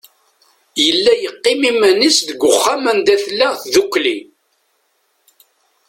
Yella yeqqim iman-is deg uxxam anda tella tdukkli.